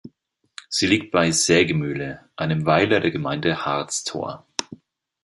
Sie liegt bei Sägemühle, einem Weiler der Gemeinde Harztor.